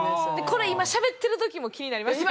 これ今しゃべってる時も気になりません？